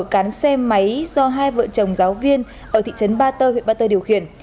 cán xe máy do hai vợ chồng giáo viên